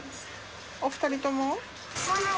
お２人とも？